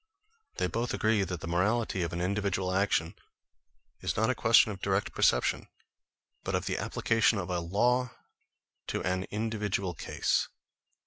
They both agree that the morality of an individual action is not a question of direct perception, but of the application of a law to an individual case.